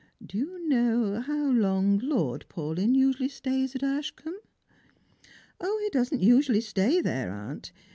Do you know how long Lord Paulyn usually .stays at Ashcombe? "" He doesn't usually stay there, aunt.